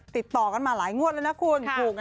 ติดต่อกันมาหลายงวดแล้วนะคุณ